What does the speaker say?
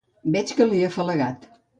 Veig que l'he afalagat.